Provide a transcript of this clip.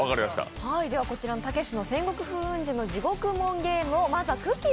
こちらの「たけしの戦国風雲児」の「地獄門ゲーム」をまずはくっきー！